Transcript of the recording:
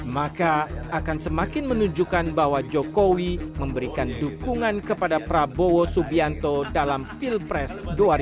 maka akan semakin menunjukkan bahwa jokowi memberikan dukungan kepada prabowo subianto dalam pilpres dua ribu sembilan belas